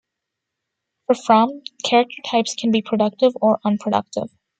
For Fromm, character types can be productive or unproductive.